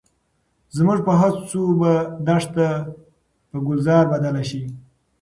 زموږ په هڅو به دښته په ګلزار بدله شي.